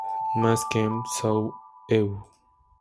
Mas quem sou eu?